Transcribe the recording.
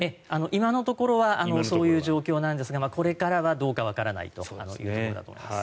今のところはそういう状況ですがこれからはどうかわからないというところだと思います。